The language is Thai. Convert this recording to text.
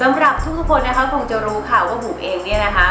สำหรับทุกคนนะคะคงจะรู้ค่ะว่าบุ๋มเองเนี่ยนะคะ